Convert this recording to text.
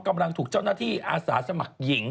กำลังถูกเจ้าหน้าที่อาสาสมัครหญิง